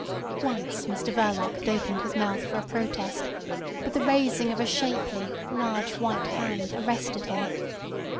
Once Mr Verloc had opened his mouth for a protest, but the raising of a shapely, large white hand arrested him.